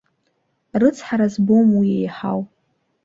Рыцҳара збом уи еиҳау.